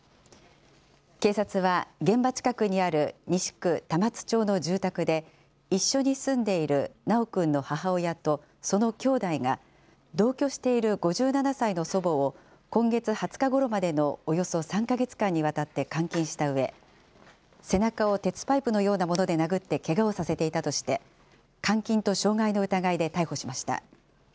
警察は現場近くにある西区玉津町の住宅で、一緒に住んでいる修くんの母親とそのきょうだいが同居している５７歳の祖母を、今月２０日ごろまでのおよそ３か月間にわたって監禁したうえ、背中を鉄パイプのようなもので殴ってけがをさせていたとして、監禁と傷害の疑いで逮捕しました。